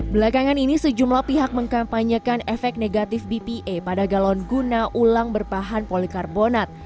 belakangan ini sejumlah pihak mengkampanyekan efek negatif bpa pada galon guna ulang berbahan polikarbonat